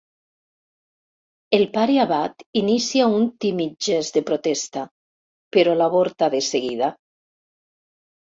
El pare abat inicia un tímid gest de protesta, però l'avorta de seguida.